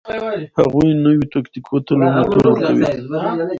هغوی نویو تکتیکونو ته لومړیتوب ورکوي